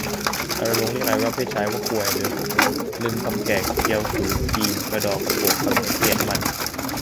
รณรงค์เรียกอวัยวะเพศชายว่า "ควย" หรือ "หำ" ลึงค์ คำแขก; เจี๊ยว จู๋ จีน; กะดอ กะโปก เขมร-เกลียดมัน